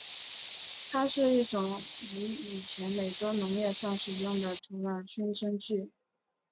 它是一种于以前美洲农业上使用的土壤熏蒸剂。